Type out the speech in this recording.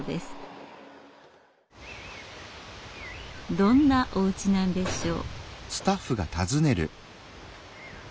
どんなおうちなんでしょう。